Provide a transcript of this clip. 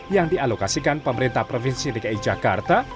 yang dialokasikan pemerintah provinsi dki jakarta